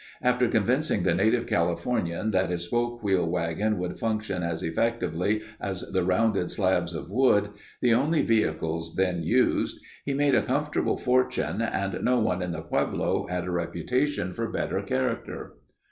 After convincing the native Californian that his spoke wheel wagon would function as effectively as the rounded slabs of wood, the only vehicles then used, he made a comfortable fortune and no one in the pueblo had a reputation for better character.